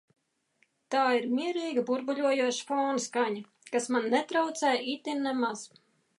Tā ir mierīga, burbuļojoša fona skaņa, kas man netraucē itin nemaz.